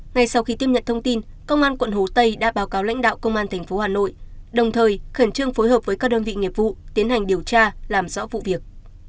ngay sau khi tiếp nhận thông tin công an quận hồ tây đã báo cáo lãnh đạo công an tp hà nội đồng thời khẩn trương phối hợp với các đơn vị nghiệp vụ tiến hành điều tra làm rõ vụ việc